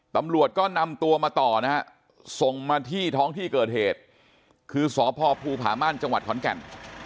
ตำรวจก็นำตัวมาต่อนะฮะส่งมาที่ท้องที่เกิดเหตุคือสพภูผามั่นจังหวัดขอนแก่น